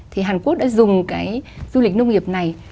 thì hàn quốc đã dùng cái du lịch nông nghiệp này